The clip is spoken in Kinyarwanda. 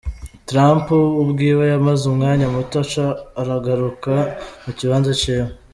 Trump ubwiwe yamaze umwanya muto aca aragaruka mu kibanza ciwe.